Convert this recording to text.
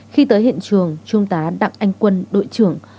khi tới hiện trường trung tá đặng anh quân đội trưởng